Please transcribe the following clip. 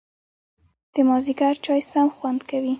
د مازیګر چای سم خوند کوي